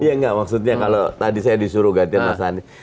iya enggak maksudnya kalau tadi saya disuruh ganti mas anies